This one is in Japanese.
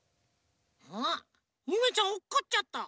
あっゆめちゃんおっこっちゃった。